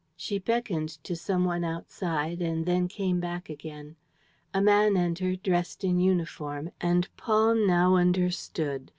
She beckoned to some one outside and then came back again. A man entered, dressed in uniform. And Paul now understood.